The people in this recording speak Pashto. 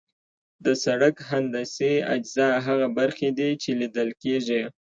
د سرک هندسي اجزا هغه برخې دي چې لیدل کیږي